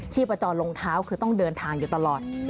พจรรองเท้าคือต้องเดินทางอยู่ตลอด